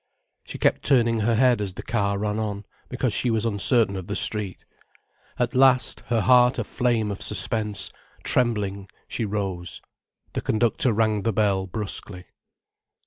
She kept turning her head as the car ran on, because she was uncertain of the street. At last, her heart a flame of suspense, trembling, she rose. The conductor rang the bell brusquely.